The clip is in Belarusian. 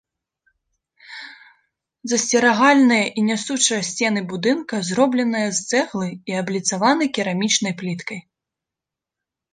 Засцерагальныя і нясучыя сцены будынка зробленыя з цэглы і абліцаваны керамічнай пліткай.